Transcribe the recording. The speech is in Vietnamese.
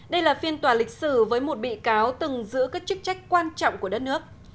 đây là phiên tòa lịch sử với một bị cáo từng giữ các chức trách quan trọng của đất nước